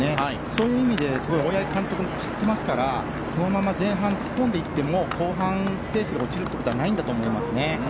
そういう意味で大八木監督も買っていますからこのまま前半突っ込んでいっても後半、ペースが落ちることはないんだと思いますね。